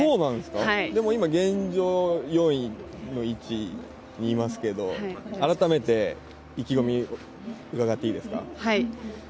でも今、現状４位の位置にいますけど改めて、意気込み伺っていいですか？